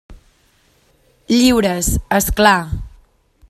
Lliures, és clar.